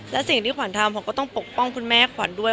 และสิ่งที่ขวัญทำขวัญก็ต้องปกป้องคุณแม่ขวัญด้วย